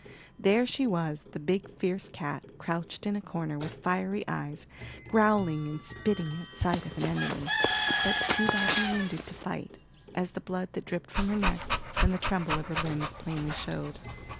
There she was, the big, fierce cat, crouched in a corner, with fiery eyes, growling and spitting at sight of an enemy, but too badly wounded to fight, as the blood that dripped from her neck, and the tremble of her limbs plainly showed.